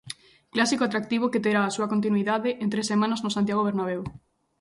Clásico atractivo que terá a súa continuidade en tres semanas no Santiago Bernabeu.